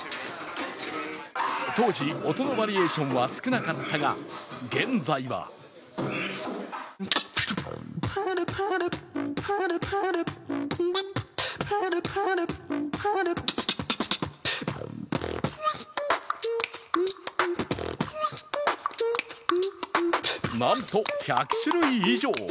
当時、音のバリエーションは少なかったが、現在はなんと１００種類以上。